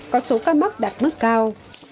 có số ca mắc đạt mức cao